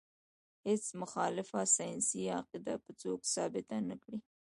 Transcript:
هیڅ مخالفه ساینسي قاعده به څوک ثابته نه کړي.